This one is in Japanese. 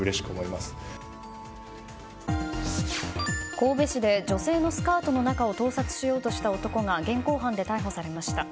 神戸市で女性のスカートの中を盗撮しようとした男が現行犯で逮捕されました。